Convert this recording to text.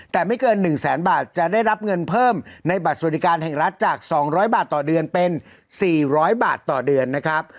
แต่ไม่เกิน๑แสนบาทจะได้รับเงินเพิ่มในบัตรสวัสดิการแห่งรัฐจาก๒๐๐บาทต่อเดือนเป็น๔๐๐บาทต่อเดือนนะครับ